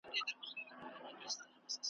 شنه باغونه د ګیدړ په قباله سي `